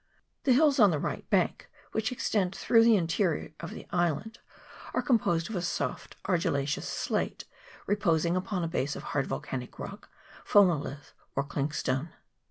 The hills on the right bank, which ex tend through the interior of the island, are com posed of a soft argillaceous slate, reposing upon a base of hard volcanic rock,' phonolithe, or clinkstone.